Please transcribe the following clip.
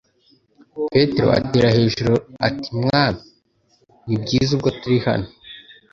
Petero atera hejuru ati : "Mwami ni hviza ubwo turi hano :